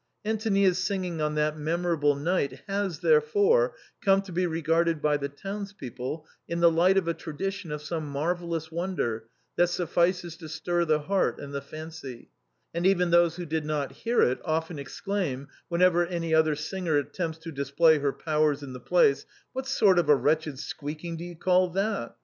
Antonia's singing on that memorable night, has, there fore, come to be regarded by the townspeople in the light of a tradition of some marvellous wonder that suffices to stir the heart and the fancy ; and even those who did not hear it often exclaim, whenever any other singer attempts to display her powers in the place, * What sort of a wretched squeaking do you call that